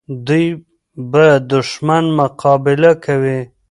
دوی به د دښمن مقابله کوي.